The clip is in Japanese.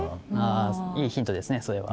あいいヒントですねそれは。